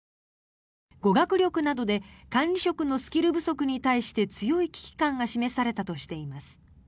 語学力などで管理職のスキル不足に対して強い危機感が示されたとしています。